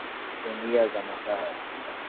Gunia za makaa.